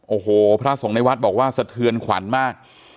โอ้โหพระสงฆ์ในวัดบอกว่าสะเทือนขวัญมาก